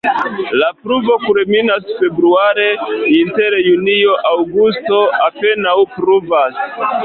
La pluvo kulminas februare, inter junio-aŭgusto apenaŭ pluvas.